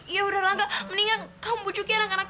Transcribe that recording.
ya udah rangga mendingan kamu bujukin rangga rangga